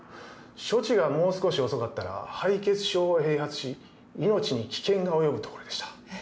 処置がもう少し遅かったら敗血症を併発し命に危険が及ぶところでした。